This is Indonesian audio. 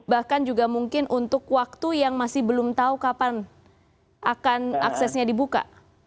bahkan juga mungkin untuk waktu yang masih belum tahu kapan akan aksesnya dibuka